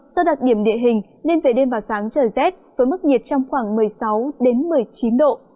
do đặc điểm địa hình nên về đêm và sáng trời rét với mức nhiệt trong khoảng một mươi sáu một mươi chín độ